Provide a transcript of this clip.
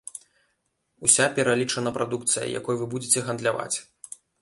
Уся пералічана прадукцыя, якой вы будзеце гандляваць.